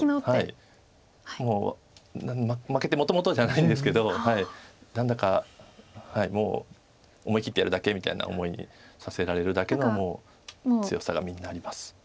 もう負けてもともとじゃないんですけど何だかもう思い切ってやるだけみたいな思いにさせられるだけのもう強さがみんなあります。